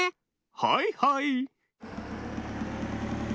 はいはい！